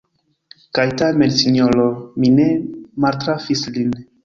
Kaj tamen, sinjoro, mi ne maltrafis lin.